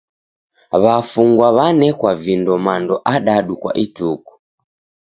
W'afungwa w'anekwa vindo mando adadu kwa ituku.